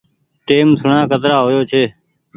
ٽيم سوڻا ڪترا هويو ڇي